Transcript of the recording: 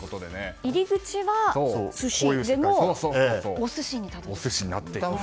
入り口は寿司でもお寿司になっていた。